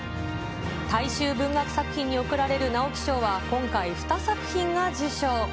大衆文学作品に贈られる直木賞は今回、２作品が受賞。